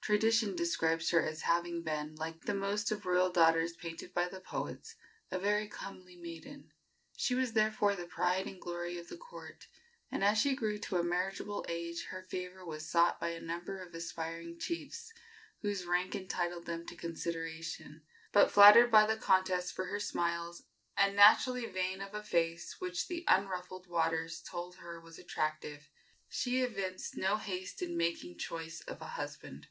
Tradition describes her as having been, like the most of royal daughters painted by the poets, a very comely maiden. She was therefore the pride and glory of the court, and as she grew to a marriageable age her favor was sought by a number of aspiring chiefs whose rank entitled them to consideration; but, flattered by the contest for her smiles, and naturally vain of a face which the unruffled waters told her was attractive, she evinced no haste in making choice of a husband.